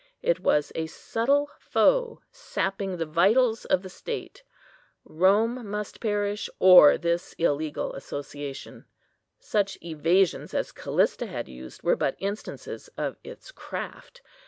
It was a subtle foe, sapping the vitals of the state. Rome must perish, or this illegal association. Such evasions as Callista had used were but instances of its craft.